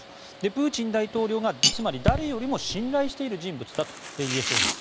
プーチン大統領が誰よりも信頼している人物だと言えそうです。